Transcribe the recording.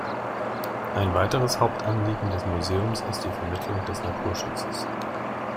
Ein weiteres Hauptanliegen des Museums ist die Vermittlung des Naturschutzes.